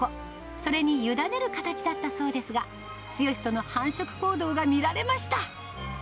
それに委ねる形だったそうですが、ツヨシとの繁殖行動が見られました。